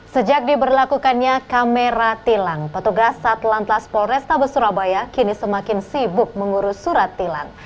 sejak diberlakukannya kamera tilang petugas satlantas polrestabes surabaya kini semakin sibuk mengurus surat tilang